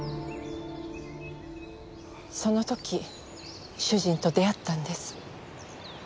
その時主人と出会ったんです。